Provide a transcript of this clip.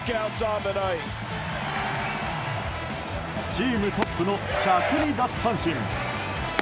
チームトップの１０２奪三振。